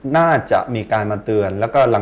น่าจะมีการมาเตือน